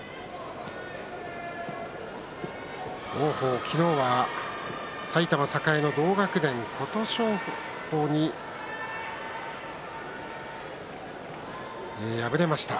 王鵬、昨日は埼玉栄の同学年琴勝峰に敗れました。